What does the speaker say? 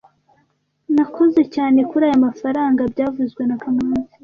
Nakoze cyane kuri aya mafaranga byavuzwe na kamanzi